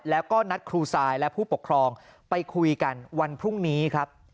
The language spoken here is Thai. แล้วก็นัดครูทรายและผู้ปกครองไปคุยกันวันพรุ่งนี้ครับ